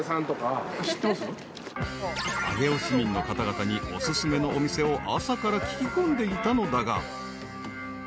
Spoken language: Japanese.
［上尾市民の方々にお薦めのお店を朝から聞き込んでいたのだが］